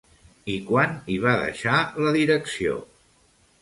I quan hi va deixar la direcció?